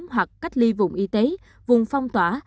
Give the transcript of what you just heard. hoặc cách ly vùng y tế vùng phong tỏa